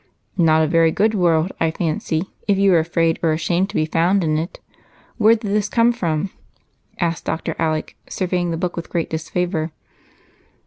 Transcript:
"Not a very good world, I fancy, if you were afraid or ashamed to be found in it. Where did this come from?" asked Dr. Alec, surveying the book with great disfavor.